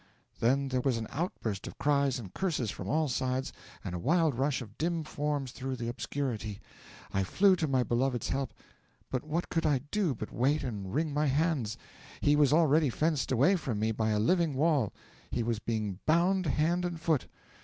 Then there was an outburst of cries and curses from all sides, and a wild rush of dim forms through the obscurity. I flew to my beloved's help, but what could I do but wait and wring my hands? he was already fenced away from me by a living wall, he was being bound hand and foot.